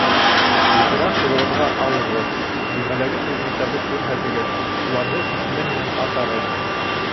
Йышыраҡ ҡулығыҙға алығыҙ, бүлмәләге предметтарҙы күрһәтегеҙ, уларҙы исеме менән атағыҙ.